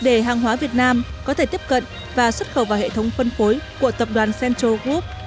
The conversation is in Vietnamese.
để hàng hóa xuất khẩu của việt nam có thể tiếp cận và xuất khẩu vào hệ thống phân phối của tập đoàn central group